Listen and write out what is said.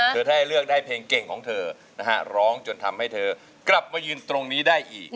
เธอได้เลือกได้เพลงเก่งของเธอนะฮะร้องจนทำให้เธอกลับมายืนตรงนี้ได้อีก